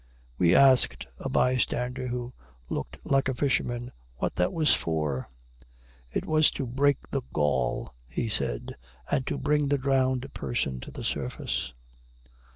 We asked a bystander, who looked like a fisherman, what that was for. It was to "break the gall," he said, and so bring the drowned person to the surface.